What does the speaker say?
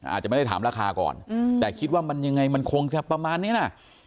อาจจะไม่ได้ถามราคาก่อนแต่คิดว่ามันยังไงมันคงแค่ประมาณนี้นะ